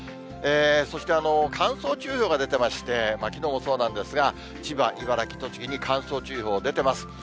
そして、乾燥注意報が出てまして、きのうもそうなんですが、千葉、茨城、栃木に乾燥注意報、出てます。